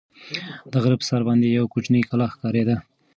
د غره په سر باندې یوه کوچنۍ کلا ښکارېده.